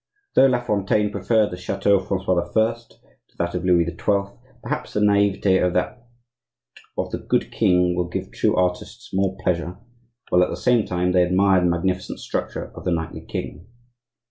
Though La Fontaine preferred the chateau of Francois I. to that of Louis XII., perhaps the naivete of that of the good king will give true artists more pleasure, while at the same time they admire the magnificent structure of the knightly king.